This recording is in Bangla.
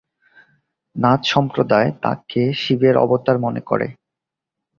নাথ সম্প্রদায় তাঁকে শিবের অবতার মনে করে।